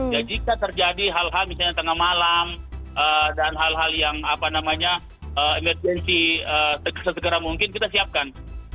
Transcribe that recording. jadi jika terjadi hal hal misalnya tengah malam dan hal hal yang emergency sesegera mungkin kita siapkan